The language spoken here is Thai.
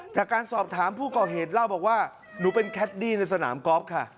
จากการสอบถามผู้ก่อเหตุเล่าบอกว่าหนูเป็นแคดดี้ในสนามกอล์ฟค่ะ